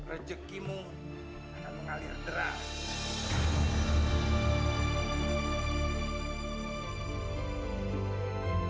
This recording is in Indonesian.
rezekimu akan mengalir deras